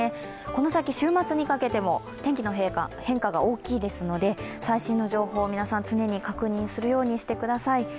この先、週末にかけても天気の変化が大きいですので、最新の情報を皆さん常に確認するようにしてください。